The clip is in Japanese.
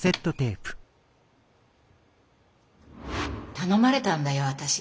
頼まれたんだよ私。